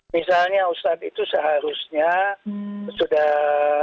misalnya ustadz itu seharusnya sudah